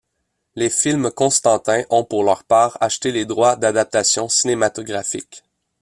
Les films Constantin ont, pour leur part, acheté les droits d’adaptation cinématographique.